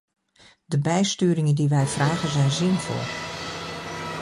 De bijsturingen die wij vragen zijn zinvol.